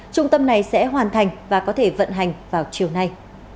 trung tâm này sẽ hoàn thành và có thể vận hành vào chiều nay